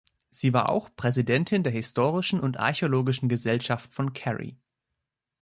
Sie war auch Präsidentin der Historischen und Archäologischen Gesellschaft von Kerry.